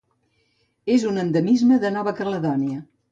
És un endemisme de Nova Caledònia.